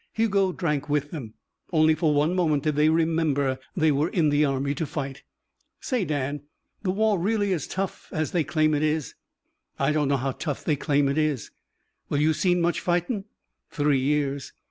Hugo drank with them. Only for one moment did they remember they were in the army to fight: "Say, Dan, the war really isn't as tough as they claim, is it?" "I don't know how tough they claim it is." "Well, you seen much fightin'?" "Three years."